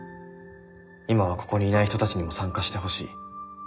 今はここにいない人たちにも参加してほしい」。